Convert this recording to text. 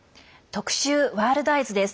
特集「ワールドＥＹＥＳ」。